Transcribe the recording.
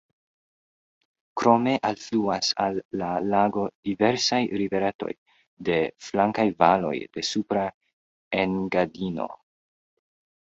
Krome alfluas al la lago diversaj riveretoj de flankaj valoj de Supra Engadino.